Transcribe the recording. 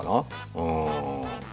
うん。